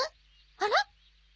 あら！？